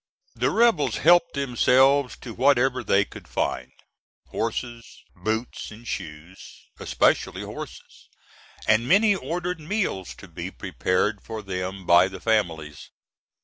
The rebels helped themselves to whatever they could find, horses, boots and shoes, especially horses, and many ordered meals to be prepared for them by the families.